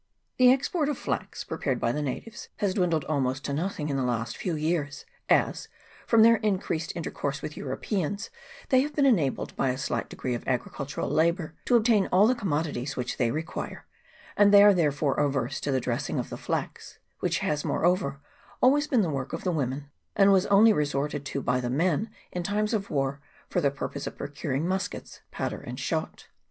CHAP. I.] GENERAL REMARKS. 7 The export of flax, prepared by the natives, has dwindled almost to nothing in the last few years, as, from their increased intercourse with Europeans, they have been enabled, by a slight degree of agri cultural labour, to obtain all the commodities which they require ; and they are therefore averse to the dressing of the flax, which has, moreover, always been the work of the women, and was only resorted to by the men in times of war, for the purpose of procuring muskets, powder, and shot.